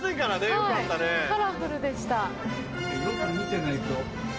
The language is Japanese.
よく見てないと。